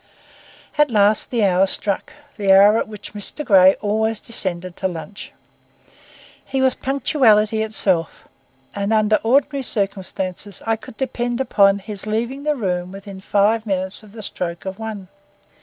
At last the hour struck,—the hour at which Mr. Grey always descended to lunch. He was punctuality itself, and under ordinary circumstances I could depend upon his leaving the room within five minutes of the stroke of one.